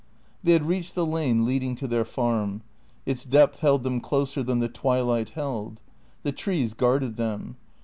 They had reached the lane leading to their farm. Its depth held them closer than the twilight held. The trees guarded them.